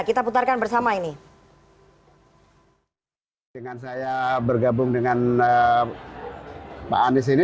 kita putarkan bersama ini